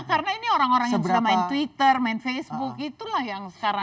karena ini orang orang yang sudah main twitter main facebook itulah yang sekarang